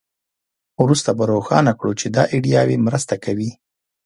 وروسته به روښانه کړو چې دا ایډیاوې مرسته کوي